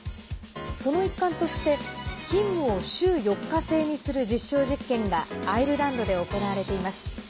その一環として勤務を週４日制にする実証実験がアイルランドで行われています。